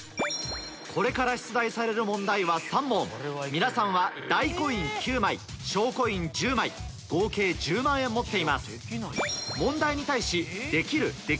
これから出題される問題は３問皆さんは大コイン９枚小コイン１０枚合計１０万円持っています問題に対しなんぼしよう？